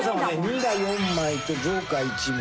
２が４枚とジョーカー１枚。